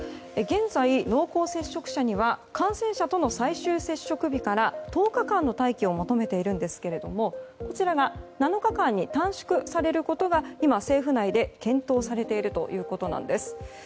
現在、濃厚接触者には感染者との最終接触日から１０日間の待機を求めているんですけれどもこちらが７日間に短縮されることが今、政府内で検討されているということなんです。